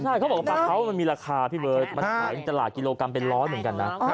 ใช่เขาบอกว่าปลาเขามันมีราคาพี่เบิร์ตมันขายตลาดกิโลกรัมเป็นร้อยเหมือนกันนะ